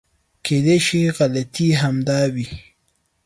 کېدای شي غلطي همدا وي .